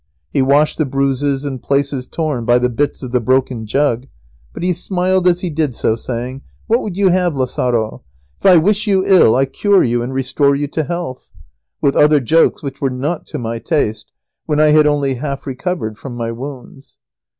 He washed the bruises and places torn by the bits of the broken jug, but he smiled as he did so, saying, "What would you have, Lazaro? If I wish you ill I cure you and restore you to health," with other jokes which were not to my taste, when I had only half recovered from my wounds.